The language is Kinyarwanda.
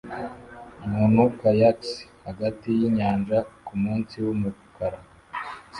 Umuntu kayaks hagati yinyanja kumunsi wumukara